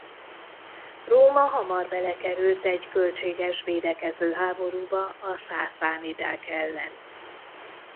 Róma hamar belekerült egy költséges védekező háborúba a szászánidák ellen.